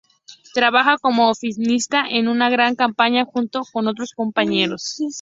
Trabaja como oficinista es una gran compañía junto con otros compañeros.